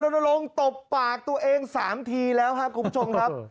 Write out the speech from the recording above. ลงตบปากตัวเอง๓ทีแล้วครับคุณผู้ชมครับ